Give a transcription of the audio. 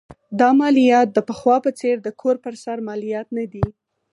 دا مالیات د پخوا په څېر د کور پر سر مالیات نه دي.